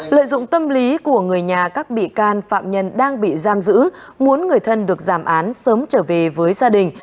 lợi dụng tâm lý của người nhà các bị can phạm nhân đang bị giam giữ muốn người thân được giảm án sớm trở về với gia đình